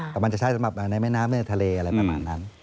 แต่มันจะใช้สำหรับในแม่น้ำในทะเลอะไรประมาณนั้น